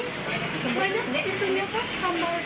seluruhnya bisa dimasak dengan cara dibakar atau direbus